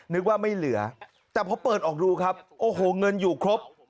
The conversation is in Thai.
นึกว่าไม่เหลือแต่พอเปิดออกดูครับโอ้โหเงินอยู่ครบ